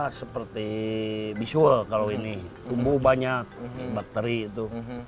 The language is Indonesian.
apa seperti visual kalau ini tumbuh banyak bakteri itu